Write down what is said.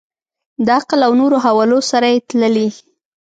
د عقل او نورو حوالو سره یې تللي.